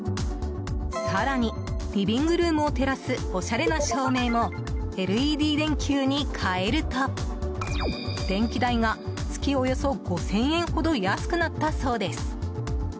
更に、リビングルームを照らすおしゃれな照明もＬＥＤ電球に変えると電気代が月およそ５０００円ほど安くなったそうです。